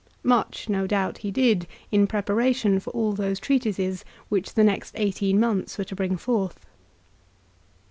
Much no doubt he did, in preparation for all those treatises which the next eighteen months were to bring forth.